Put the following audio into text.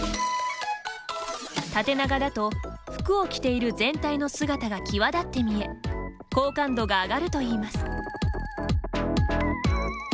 縦長だと、服を着ている全体の姿が際立って見え好感度が上がるといいます。